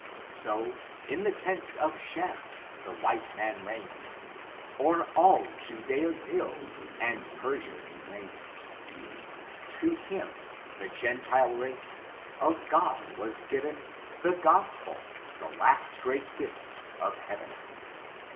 60, in the tents of Shem^ the white man reigns O'er all Judea's hills and Peniia*s plains. To Aim (the Gentile race), of God, was given The Gotpel — the last great gift of Heaven.